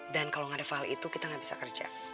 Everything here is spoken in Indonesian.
dan kalau nggak ada file itu kita nggak bisa kerja